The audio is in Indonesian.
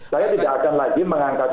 saya tidak akan lagi mengangkat